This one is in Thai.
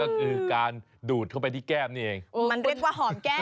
ก็คือการดูดเข้าไปที่แก้มนี่เองมันเรียกว่าหอมแก้ม